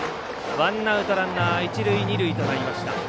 ワンアウト、ランナー一塁二塁となりました。